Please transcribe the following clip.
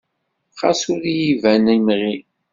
Xas ur i yi-ban imɣi.